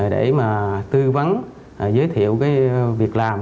để mà tư vấn giới thiệu việc làm